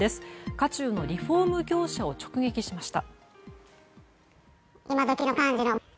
渦中のリフォーム業者を直撃しました。